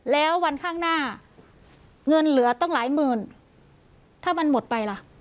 แล้ววันข้างหน้าเงินเหลือตั้งหลายหมื่นถ้ามันหมดไปล่ะ